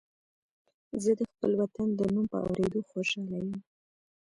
زه د خپل وطن د نوم په اورېدو خوشاله یم